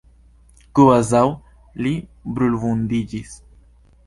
Kvazaŭ li brulvundiĝis.